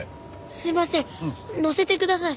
すいません乗せてください。